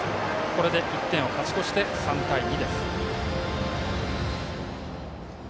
これで１点を勝ち越して３対２です。